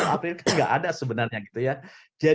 ini kan nggak ada sebenarnya